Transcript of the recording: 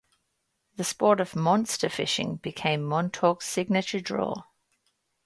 The sport of "monster fishing" became Montauk's signature draw.